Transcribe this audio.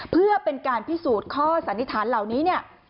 เพื่อเป็นการพิสูจน์ข้อสันนิษฐานเหล่านี้เนี่ย